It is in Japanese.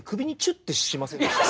ってしませんでした？